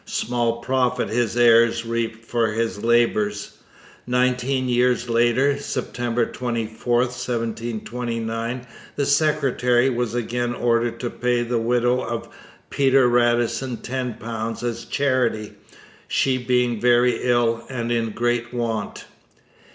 Small profit his heirs reaped for his labours. Nineteen years later, September 24, 1729, the secretary was again ordered to pay 'the widow of Peter Radisson £10 as charity, she being very ill and in great want.'